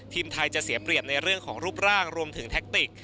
ทีมไทยจะเสียเปรียบในเรื่องของรูปร่างรวมถึงแท็กติก